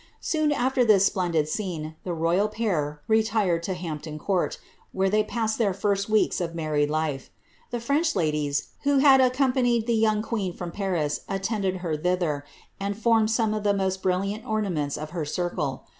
Soon after this splendid scene, the royal pair retired to Hampton Court, where they passed the first weeks of their married life. The French ladies, who had accompanied the young queen from Pahs, attended her thither, and formed some of tlie most brilliant orna Oients of her circle.